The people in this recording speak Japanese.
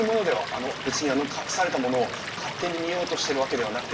あの別に隠されたものを勝手に見ようとしてるわけではなくてですね。